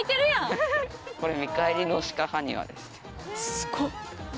すごっ！